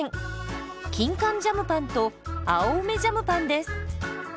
キンカンジャムパンと青梅ジャムパンです。